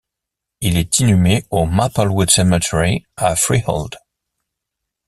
Il est inhumé au Maplewood cemetery à Freehold.